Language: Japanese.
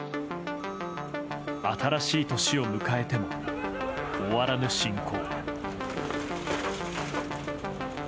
新しい年を迎えても終わらぬ侵攻。